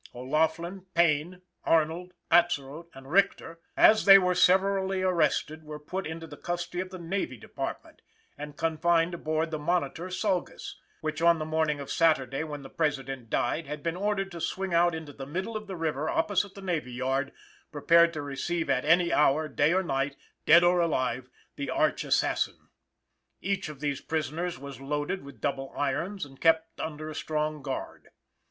O'Laughlin, Payne, Arnold, Atzerodt and Richter, as they were severally arrested, were put into the custody of the Navy Department and confined on board the Monitor Saugus, which on the morning of Saturday, when the President died, had been ordered to swing out into the middle of the river opposite the Navy Yard, prepared to receive at any hour, day or night, dead or alive, the arch assassin. Each of these prisoners was loaded with double irons and kept under a strong guard.